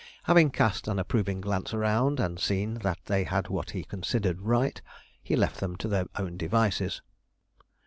Having cast an approving glance around, and seen that they had what he considered right, he left them to their own devices.